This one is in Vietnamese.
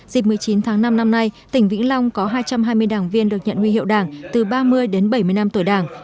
dịp một mươi chín tháng năm năm nay tỉnh vĩnh long có hai trăm hai mươi đảng viên được nhận huy hiệu đảng từ ba mươi đến bảy mươi năm tuổi đảng